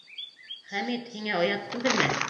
Хәмит, һиңә оят түгелме?